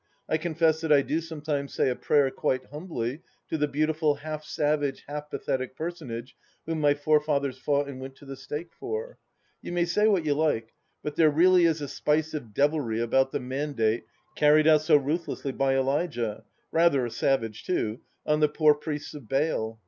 I confess that I do sometimes say a prayer, quite humbly, to the beautiful half savage, half pathetic personage whom my forefathers fought and went to the stake for ! You may say what you like, but there really is a spice of devilry about the mandate carried out so ruthlessly by Elijah — rather a savage, too — on the poor priests of Baal !